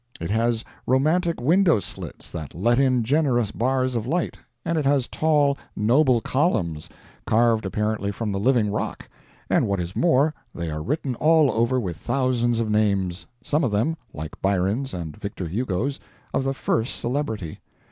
It has romantic window slits that let in generous bars of light, and it has tall, noble columns, carved apparently from the living rock; and what is more, they are written all over with thousands of names; some of them like Byron's and Victor Hugo's of the first celebrity.